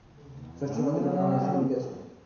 ষষ্ঠীর মন্দিরে লাল নিশান উড়িতেছে।